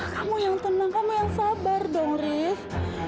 kamu yang tenang kamu yang sabar dong riz